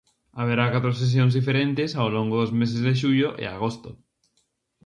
Haberá catro sesións diferentes ao longo dos meses de xullo e agosto.